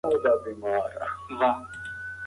د تاریخ فلسفه ټولنیز بدلونونه څېړي.